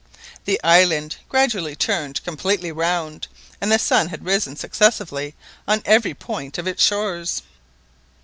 The island had gradually turned completely round, and the sun had risen successively on every point of its shores.